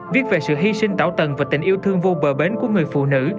viết về sự hy sinh tạo tầng và tình yêu thương vô bờ bến của người phụ nữ